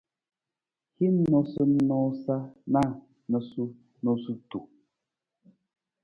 Hin noosanoosa na noosunonosutu.